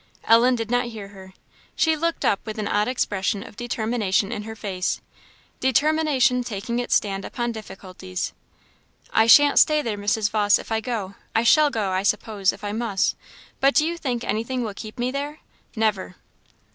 Ellen did not hear her. She looked up with an odd expression of determination in her face, determination taking its stand upon difficulties. "I shan't stay there, Mrs. Vawse, if I go! I shall go, I suppose, if I must; but do you think anything will keep me there? Never!"